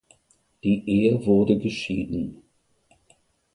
Die Ehe wurde geschieden.